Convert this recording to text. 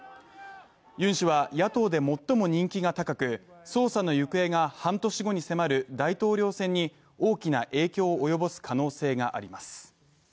ユン氏は野党で最も人気が高く捜査の行方が半年後に迫る大統領選に大きな影響を及ぼす可能性があります。